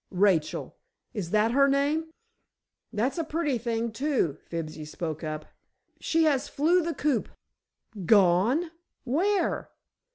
Rachel—is that her name?" "That's a pretty thing, too!" Fibsy spoke up. "She has flew the coop." "Gone! Where?"